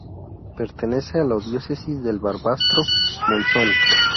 Pertenece a la diócesis de Barbastro-Monzón.